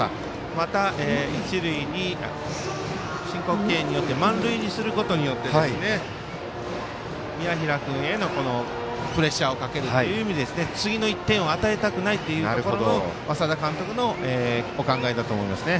また、申告敬遠によって満塁にすることによって宮平君へのプレッシャーをかけるという意味でも次の１点を与えたくないというところでの稙田監督のお考えだと思いますね。